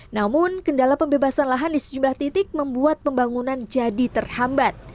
namun kendala pembebasan lahan di sejumlah titik membuat pembangunan jadi terhambat